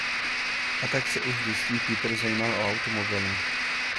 A tak se už v dětství Peter zajímal o automobily.